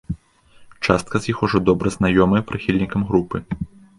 Частка з іх ужо добра знаёмыя прыхільнікам групы.